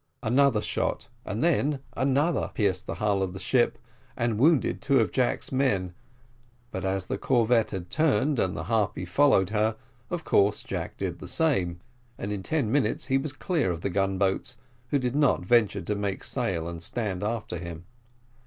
Another shot, and then another, pierced the hull of the ship, and wounded two of Jack's men; but as the corvette had turned, and the Harpy followed her, of course Jack did the same, and in ten minutes he was clear of the gun boats, which did not venture to make sail and stand after him.